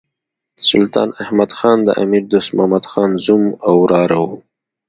سلطان احمد خان د امیر دوست محمد خان زوم او وراره وو.